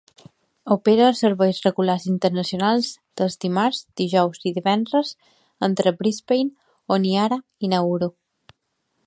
Opera serveis regulars internacionals dels dimarts, dijous i divendres, entre Brisbane, Honiara i Nauru.